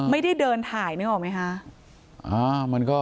ไม่ได้เดินถ่ายนึกออกไหมคะ